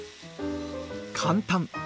簡単！